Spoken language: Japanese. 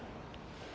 え？